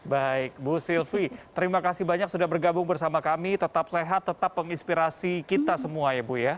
baik bu sylvi terima kasih banyak sudah bergabung bersama kami tetap sehat tetap menginspirasi kita semua ya bu ya